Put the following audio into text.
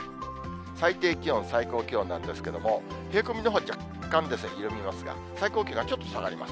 最低気温、最高気温なんですけれども、冷え込みのほうは若干緩みますが、最高気温がちょっと下がります。